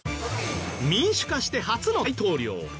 民主化して初の大統領。